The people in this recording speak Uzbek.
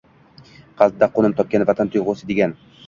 qalbda qo‘nim topgan «Vatan tuyg‘usi» degan